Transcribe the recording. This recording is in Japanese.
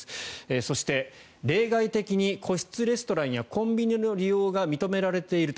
そして、例外的に個室レストランやコンビニの利用が認められていると。